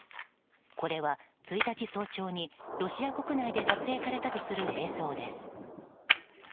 これは、１日早朝にロシア国内で撮影されたとする映像です。